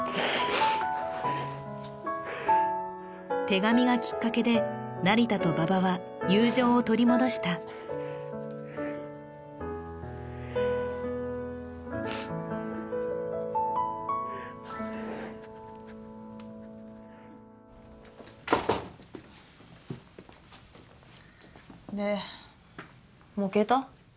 手紙がきっかけで成田と馬場は友情を取り戻したでもう消えた？